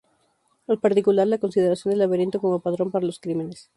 En particular la consideración del laberinto como patrón para los crímenes.